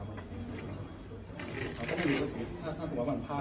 ตอนนี้ก็พยายามประพองให้มันดี